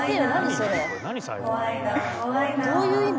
どういう意味？